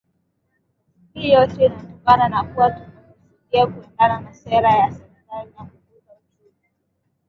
Hii yote inatokana na kuwa tumekusudia kuendana na sera ya Serikali ya kukuza uchumi